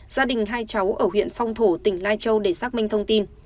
gia đình hai cháu ở huyện phong thổ tỉnh lai châu để xác minh thông tin